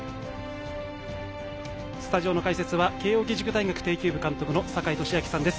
スタジオの解説は慶応義塾大学庭球部監督の坂井利彰さんです。